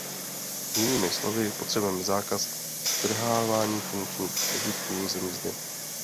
Jinými slovy potřebujeme zákaz strhávání funkčních požitků ze mzdy.